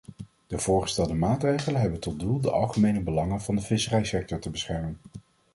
De voorgestelde maatregelen hebben tot doel de algemene belangen van de visserijsector te beschermen.